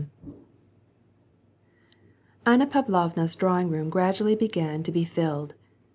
^ Anna Pavlovna's drawing room gradually began to filled.